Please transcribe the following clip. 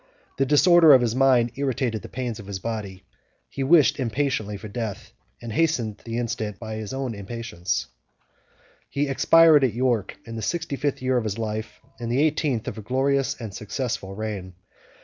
16 The disorder of his mind irritated the pains of his body; he wished impatiently for death, and hastened the instant of it by his impatience. He expired at York in the sixty fifth year of his life, and in the eighteenth of a glorious and successful reign.